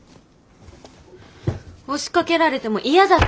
押しかけられても嫌だったので。